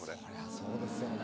そうですよね